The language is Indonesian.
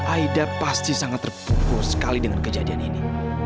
aida pasti sangat terpukul sekali dengan kejadian ini